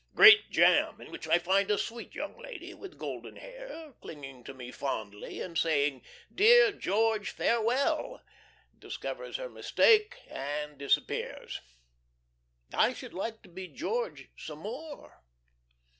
Great jam, in which I find a sweet young lady, with golden hair, clinging to me fondly, and saying, "Dear George, farewell!" Discovers her mistake, and disappears. I should like to be George some more.